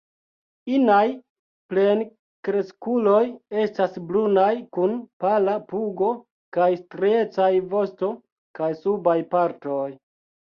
Inaj plenkreskuloj estas brunaj kun pala pugo, kaj striecaj vosto kaj subaj partoj.